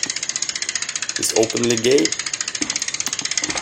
He is openly gay.